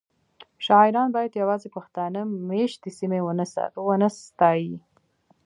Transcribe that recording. شاعران باید یوازې پښتانه میشتې سیمې ونه ستایي